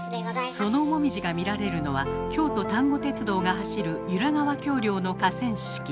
そのもみじが見られるのは京都丹後鉄道が走る由良川橋梁の河川敷。